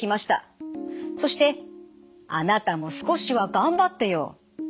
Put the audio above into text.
そして「あなたも少しはがんばってよ！」